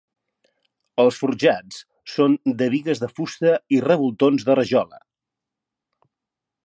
Els forjats són de bigues de fusta i revoltons de rajola.